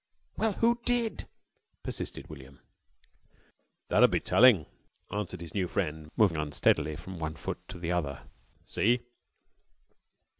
"Well, who did?" persisted William. "That 'ud be tellin'," answered his new friend, moving unsteadily from one foot to the other. "See?"